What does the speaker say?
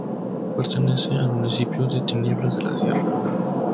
Pertenece al municipio de Tinieblas de la Sierra.